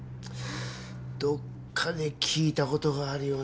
どっかで聞いたことがあるような。